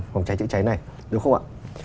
phòng cháy chữa cháy này đúng không ạ